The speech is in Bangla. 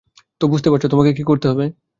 তো, বুঝতে পারছো, তোমাকে কী করতে হবে?